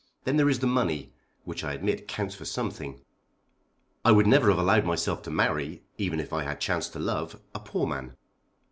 Then there is the money, which I admit counts for something. I would never have allowed myself to marry even if I had chanced to love a poor man.